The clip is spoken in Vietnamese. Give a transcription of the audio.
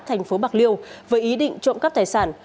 thành phố bạc liêu với ý định trộm cắp tài sản